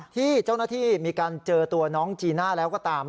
ที่เจ้าหน้าที่มีการเจอตัวน้องจีน่าแล้วก็ตาม